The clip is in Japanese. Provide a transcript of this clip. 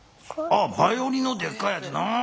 あっバイオリンのでっかいやつな。